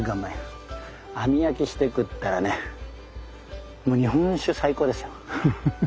網焼きして食ったらねもう日本酒最高ですよ。